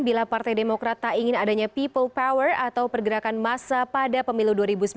bila partai demokrat tak ingin adanya people power atau pergerakan massa pada pemilu dua ribu sembilan belas